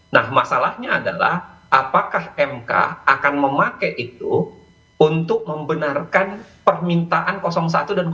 nah masalahnya adalah apakah mk akan memakai itu untuk membenarkan permintaan satu dan dua